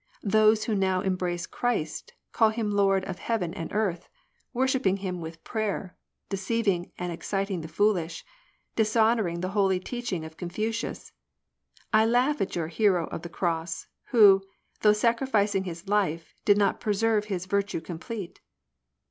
Those who now embrace Christ Call him Lord of heaven and earth, Worshipping him with prayer, Deceiving and exciting the foolish. Dishonouring the holy teaching of Confucius. I laugh at your hero of the cross, Who, though sacrificing his life, did not preserve his virtue complete.